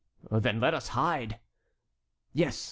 "Then let us hide." "Yes.